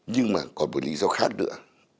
nhưng mà còn một lý do khác nữa